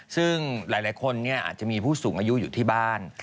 ซึ่งหลายคนอาจจะมีผู้สูงอายุอยู่ที่บ้าน